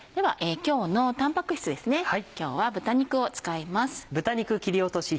今日は豚肉を使います。